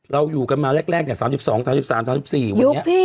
เราอยู่กันมาแรกเนี่ย